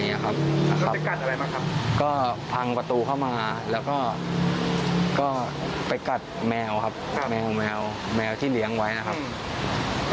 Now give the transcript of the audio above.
แล้วจะกัดอะไรมาครับก็พังประตูเข้ามาแล้วก็ไปกัดแมวที่เลี้ยงไว้นะครับ